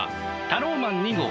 タローマン２号。